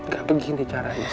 gak begini caranya sayang